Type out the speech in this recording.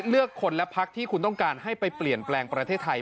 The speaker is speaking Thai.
เลือกคนและพักที่คุณต้องการให้ไปเปลี่ยนแปลงประเทศไทย